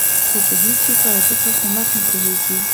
خو په هېڅ شي په ارزښت او قیمت نه پوهېږي.